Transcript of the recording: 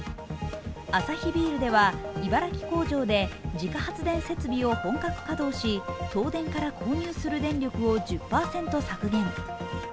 アサヒビールでは、茨城工場で自家発電設備を本格稼働し、東電から購入する電力を１０％削減。